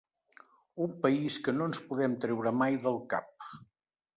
Un país que no ens podem treure mai del cap!